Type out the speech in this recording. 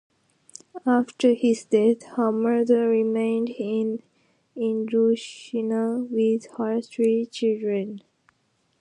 After his death, her mother remained in Indochina with her three children.